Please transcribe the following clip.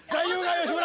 吉村。